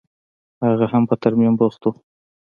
هغه په ترميم بوخت و.